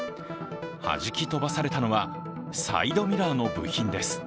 はじき飛ばされたのはサイドミラーの部品です。